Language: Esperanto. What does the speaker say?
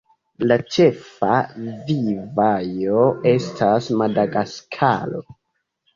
La ĉefa vivejo estas Madagaskaro.